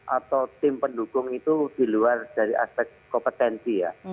atau tim pendukung itu di luar dari aspek kompetensi ya